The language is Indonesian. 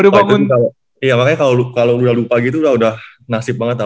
iya makanya kalau lu udah lupa gitu udah nasib banget lah